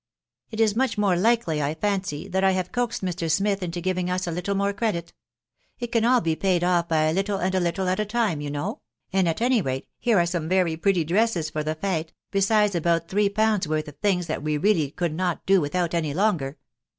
" It is much more likely, I fancy, that I have coaxed Mr. South into giving us a little more credit, it can all be paid off by a little and a little at a time, you know ; and at any rata, here are some very pretty dresses for the fete, besides about three pounds' worth of things that we really could not do without any longer."